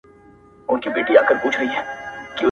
وروسته له ده د چا نوبت وو رڼا څه ډول وه.